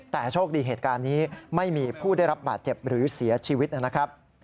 แต่โชคดีเหตุการณ์นี้ไม่มีผู้ได้รับบาดเจ็บหรือเสียชีวิตนะครับ